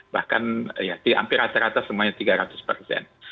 bahkan hampir rata rata semuanya tiga ratus persen